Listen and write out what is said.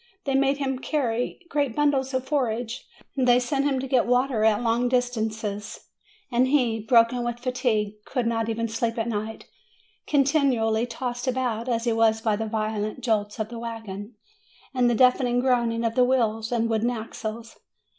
They made him carry great bundles of forage; they sent him to get water at long distances; and he, broken with fatigue, could not even sleep at night, continually tossed about as he was by the violent jolts of the wagon, and the deafening groaning of the wheels and wooden axles.